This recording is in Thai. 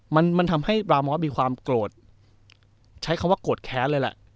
มันมันทำให้บรามอสมีความโกรธใช้คำว่าโกรธแค้นเลยแหละ